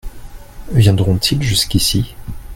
Viendront-ils jusqu'ici ?